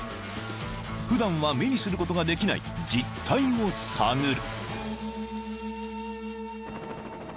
［普段は目にすることができない実態を探る］